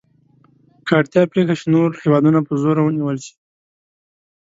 که اړتیا پېښه شي نور هېوادونه په زوره ونیول شي.